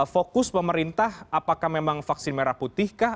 fokus pemerintah apakah memang vaksin merah putih kah